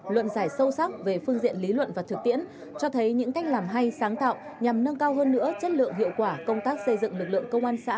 luận giải sâu sắc về phương diện lý luận và thực tiễn cho thấy những cách làm hay sáng tạo nhằm nâng cao hơn nữa chất lượng hiệu quả công tác xây dựng lực lượng công an xã